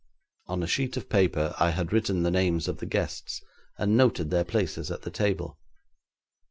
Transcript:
On a sheet of paper I had written the names of the guests, and noted their places at the table.